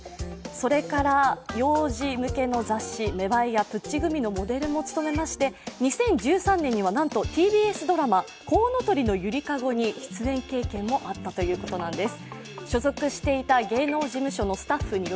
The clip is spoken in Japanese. それから幼児向けの雑誌、「めばえ」や「ぷっちぐみ」のモデルも務めまして２０１３年には、なんとＴＢＳドラマ「こうのとりのゆりかご」に出演経験もあったということなんです。